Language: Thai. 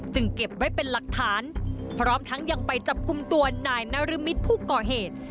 เก็บไว้เป็นหลักฐานพร้อมทั้งยังไปจับกลุ่มตัวนายนรมิตผู้ก่อเหตุ